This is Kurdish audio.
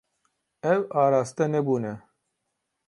Ew araste nebûne.